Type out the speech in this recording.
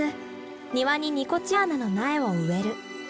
庭にニコチアナの苗を植える。